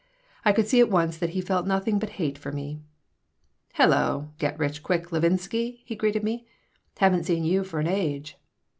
I could see at once that he felt nothing but hate for me "Hello, Get Rich Quick Levinsky!" he greeted me. "Haven't seen you for an age."